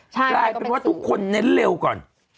กลายเป็นว่าทุกคนเน้นเร็วก่อน